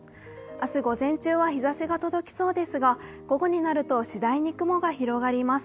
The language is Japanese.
明日午前中は日ざしが届きそうですが、午後になると、次第に雲が広がります。